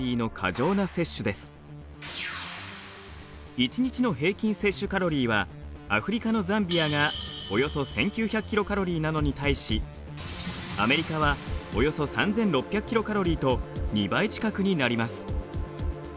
一日の平均摂取カロリーはアフリカのザンビアがおよそ１，９００ｋｃａｌになのに対しアメリカはおよそ３，６００ｋｃａｌと２倍近くになります。